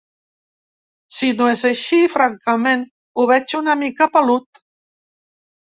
Si no és així, francament, ho veig una mica pelut.